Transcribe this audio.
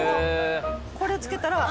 これつけたら。